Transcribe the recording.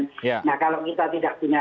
oke ya nah kalau kita tidak punya